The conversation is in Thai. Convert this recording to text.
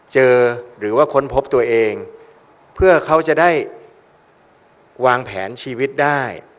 เจอหรือว่าค้นพบตัวเองเพื่อเขาจะได้วางแผนชีวิตได้